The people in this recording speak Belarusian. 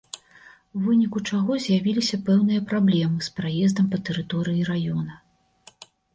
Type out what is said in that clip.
У выніку чаго з'явіліся пэўныя праблемы з праездам па тэрыторыі раёна.